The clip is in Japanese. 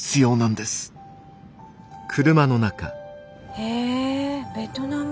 へえベトナム？